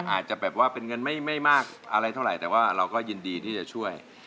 อาจจะแบบว่าเป็นเงินไม่มากอะไรเท่าไหร่แต่ว่าเราก็ยินดีที่จะช่วย